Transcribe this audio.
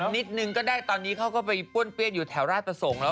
นิดนึงก็ได้ตอนนี้เขาก็ไปป้วนเปี้ยนอยู่แถวราชประสงค์แล้ว